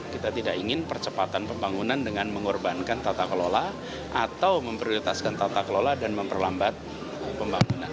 kita tidak ingin percepatan pembangunan dengan mengorbankan tata kelola atau memprioritaskan tata kelola dan memperlambat pembangunan